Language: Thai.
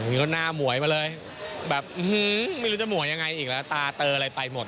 มีหน้าหมวยมาเลยไม่รู้จะหมวยยังไงหรอกตราเตออะไรไปหมด